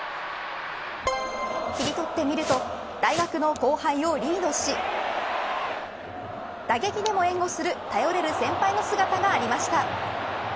キリトってみると大学の後輩をリードし打撃でも援護する頼れる先輩の姿がありました。